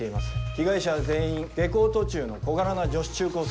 被害者は全員下校途中の小柄な女子中高生。